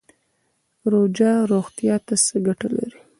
روژه روغتیا ته څه ګټه لري؟